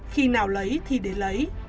khi nào lấy thì đến lấy